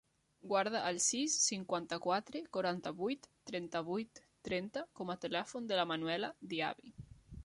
Guarda el sis, cinquanta-quatre, quaranta-vuit, trenta-vuit, trenta com a telèfon de la Manuela Diaby.